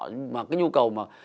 nhưng mà cái nhu cầu mà